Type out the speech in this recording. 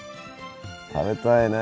食べたいね。